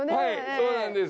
そうなんです